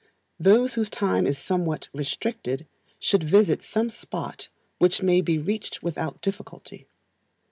Those whose time is somewhat restricted should visit some spot which may be reached without difficulty.